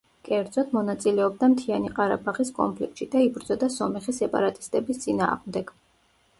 კერძოდ, მონაწილეობდა მთიანი ყარაბაღის კონფლიქტში და იბრძოდა სომეხი სეპარატისტების წინააღმდეგ.